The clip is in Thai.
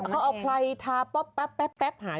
เขาเอาไพรทาป๊อบป๊าบหาย